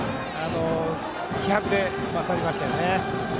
気迫で勝りましたよね。